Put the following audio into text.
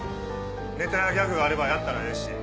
ネタやギャグあればやったらええし。